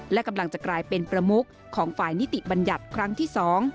และกำลังจะกลายเป็นประมุขของฝ่ายนิติบัญญัติครั้งที่๒